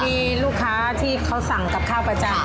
มีลูกค้าที่เขาสั่งกับข้าวประจำ